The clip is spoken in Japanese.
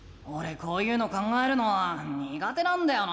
こういうの考えるのはにが手なんだよな。